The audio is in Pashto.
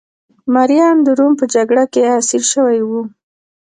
مریان د روم په جګړه کې اسیر شوي وو